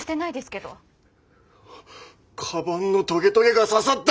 かばんのとげとげが刺さった。